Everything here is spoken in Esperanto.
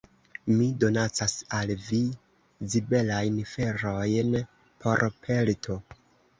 Mi donacas al vi zibelajn felojn por pelto!